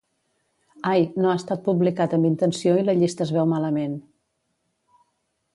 Ai, no ha estat publicat amb intenció i la llista es veu malament.